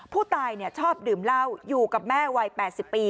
ผู้ตายเนี่ยชอบดื่มเหล้าอยู่กับแม่วัยแปดสิบปี